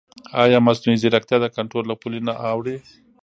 ایا مصنوعي ځیرکتیا د کنټرول له پولې نه اوړي؟